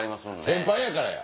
先輩やからや！